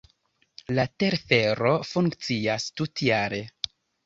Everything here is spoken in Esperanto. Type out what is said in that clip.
La telfero funkcias tutjare.